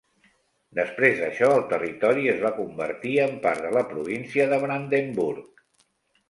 Després d'això el territori es va convertir en part de la província de Brandenburg.